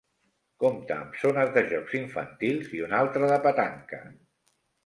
Compta amb zones de jocs infantils i una altra de petanca.